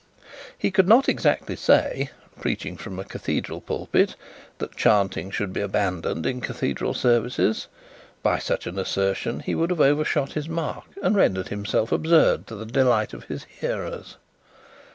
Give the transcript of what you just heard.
He could not exactly say, preaching from a cathedral pulpit, that chanting should be abandoned in cathedral services. By such an assertion, he would have overshot his mark and rendered himself absurd, to the delight of his hearers.